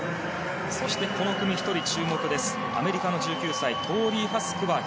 そしてこの人も注目アメリカの１９歳トーリー・ハスク。